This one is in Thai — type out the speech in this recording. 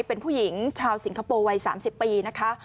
เป็นผู้หญิงชาวสิงคโปร์วัย๓๐ปีนะคะ